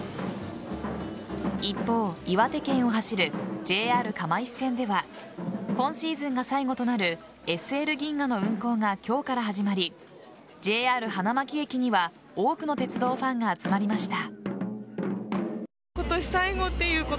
一方岩手県を走るＪＲ釜石線では今シーズンが最後となるＳＬ銀河の運行が今日から始まりＪＲ花巻駅には多くの鉄道ファンが集まりました。